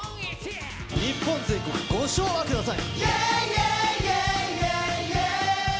日本全国ご唱和ください。